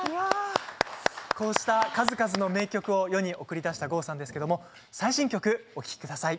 こうした数々の名曲を世に送り出した郷ひろみさんですけど最新曲をお聴きください。